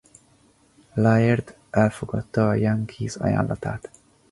Laird elfogadta a Yankees ajánlatát.